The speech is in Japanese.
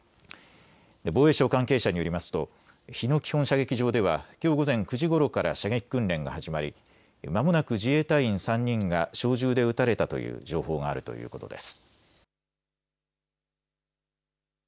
防衛省関係者によりますと日野基本射撃場ではきょう午前９時ごろから射撃訓練が始まりまもなく自衛隊員３人が小銃で撃たれたという情報があるということです。